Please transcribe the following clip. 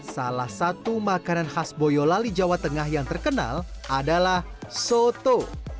salah satu makanan khas boyolali jawa tengah yang terkenal adalah soto